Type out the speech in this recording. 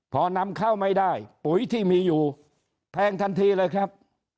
พอนำเข้าไม่ได้ปุ๋ยที่มีอยู่แพงทันทีเลยครับ